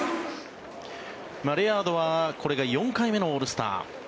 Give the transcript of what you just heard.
レアードはこれが４回目のオールスター。